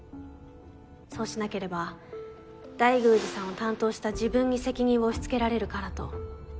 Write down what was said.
そうしなければ大宮司さんを担当した自分に責任を押し付けられるからと。